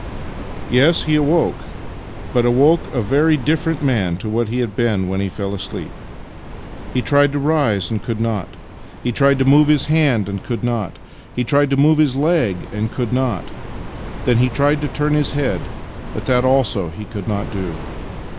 Yes, he awoke — but awoke a very different man to what he had been when he fell asleep. He tried to rise, and could not. He tried to move his hand, and ' =iid. Master and Man 6i could not. He tried to move his leg, and could not. Then he tried to turn his head, but that also he could not do.